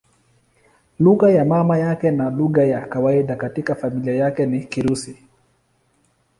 Lugha ya mama yake na lugha ya kawaida katika familia yake ni Kirusi.